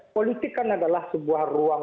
politik kan adalah sebuah ruang